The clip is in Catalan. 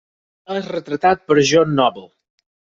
És retratat per John Noble.